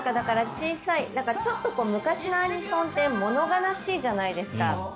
昔のアニソンってもの悲しいじゃないですか。